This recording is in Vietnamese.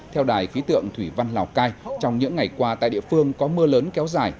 theo đài khí tượng thủy văn lào cai trong những ngày qua tại địa phương có mưa lớn kéo dài